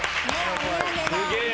お土産だ。